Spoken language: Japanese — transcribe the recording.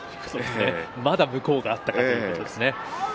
まだ向こうがあったということですね。